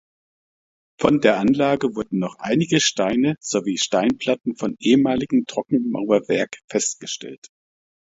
Von der Anlage wurden noch einige Steine sowie Steinplatten von ehemaligem Trockenmauerwerk festgestellt.